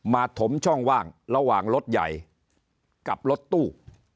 ถมช่องว่างระหว่างรถใหญ่กับรถตู้